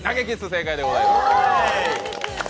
正解でございます。